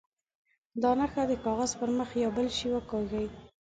دا نښه د کاغذ پر مخ یا بل شي وکاږي.